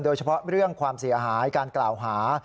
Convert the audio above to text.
โดยเฉพาะเรื่องความเสียหายการกล่าวหา